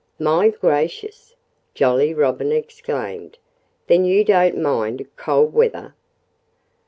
"My gracious!" Jolly Robin exclaimed. "Then you don't mind cold weather."